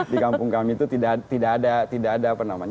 di kampung kami itu tidak ada traffic